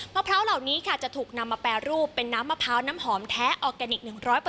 พร้าวเหล่านี้ค่ะจะถูกนำมาแปรรูปเป็นน้ำมะพร้าวน้ำหอมแท้ออร์แกนิค๑๐๐